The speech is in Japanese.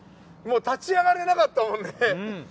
立ち上がれなかったもんね。